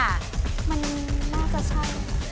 มันน่าจะใช่